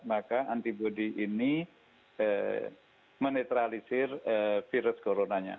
maka antibody ini menetralisir virus coronanya